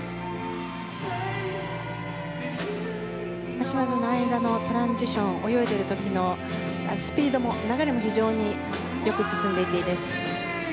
脚技、トランジション泳いでいる時のスピード流れもよく進んでいていいです。